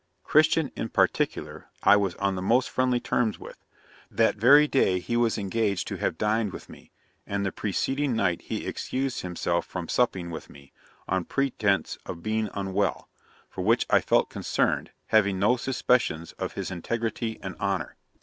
Christian, in particular, I was on the most friendly terms with: that very day he was engaged to have dined with me; and the preceding night he excused himself from supping with me, on pretence of being unwell; for which I felt concerned, having no suspicions of his integrity and honour.'